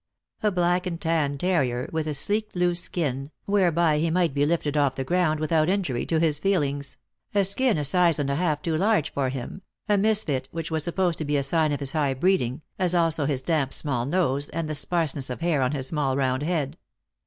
A black and tan terrier, with a sleek loose skin, whereby he might be lifted off the ground without injury to his feelings ; a skin a size and a half too large for him, a misfit which was supposed to be a sign of his high breeding, as also his damp small nose, and the sparseness of hair on his small round head.